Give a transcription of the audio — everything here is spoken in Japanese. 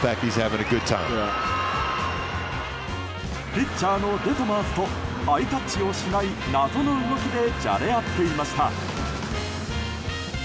ピッチャーのデトマースとハイタッチをしない謎の動きでじゃれ合っていました。